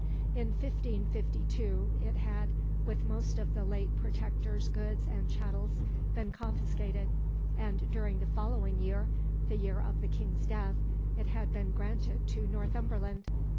In 1552 it had, with most of the late Protector's goods and chattels, been confiscated, and during the following year, the year of the King's death, had been granted to Northumberland.